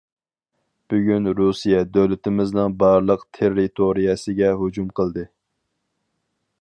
بۈگۈن رۇسىيە- دۆلىتىمىزنىڭ بارلىق تېررىتورىيەسىگە ھۇجۇم قىلدى.